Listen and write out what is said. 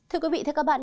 thưa quý vị theo các bạn